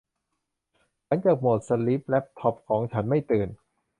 หลังจากโหมดสลีปแลปท็อปของฉันไม่ตื่น